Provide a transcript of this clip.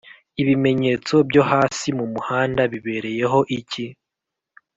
ibimenyetso byo hasi mumuhanda bibereyeho iki